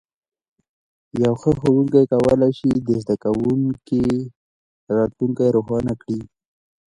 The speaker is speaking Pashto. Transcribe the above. یو ښه ښوونکی کولی شي د زده کوونکي راتلونکی روښانه کړي.